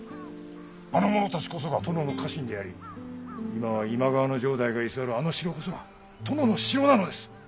あの者たちこそが殿の家臣であり今は今川の城代が居座るあの城こそが殿の城なのです！